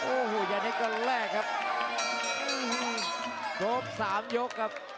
ประโยชน์ทอตอร์จานแสนชัยกับยานิลลาลีนี่ครับ